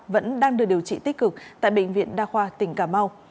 vẫn đang được điều trị tích cực tại bệnh viện đa khoa tỉnh cà mau